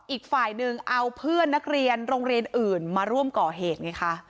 อีกฝ่ายหนึ่งเอาเพื่อนนักเรียนโรงเรียนอื่นมาร่วมก่อเหตุไงคะ